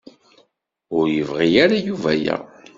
Ur yebɣi ara Yuba aya.